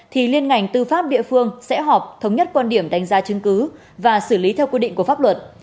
thì liên ngành tư pháp địa phương sẽ họp thống nhất quan điểm đánh giá chứng cứ và xử lý theo quy định của pháp luật